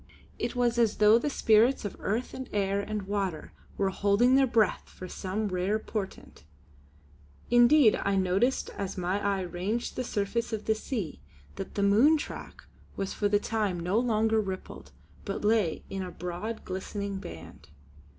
It was as though the spirits of earth and air and water were holding their breath for some rare portent. Indeed I noticed as my eye ranged the surface of the sea, that the moon track was for the time no longer rippled, but lay in a broad glistening band.